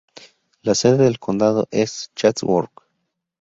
La sede del condado es Chatsworth.